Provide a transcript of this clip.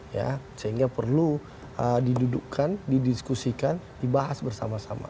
ya sehingga perlu didudukkan didiskusikan dibahas bersama sama